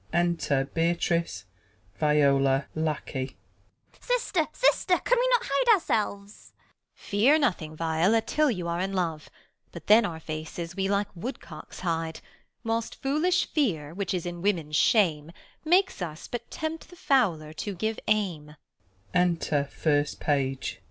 Enter Beatrice, Viola, Lacquey. Viol. Sister ! sister ! can we not hide our selves? Beat. Fear nothing, Viola, till you are in love. But then our faces we like wood cocks hide ; Whilst foolish fear, which is in women shame, Makes us but tempt the fowler to give aim.